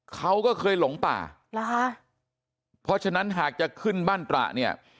เขาก็เคยหลงป่าเหรอฮะเพราะฉะนั้นหากจะขึ้นบ้านตระเนี่ย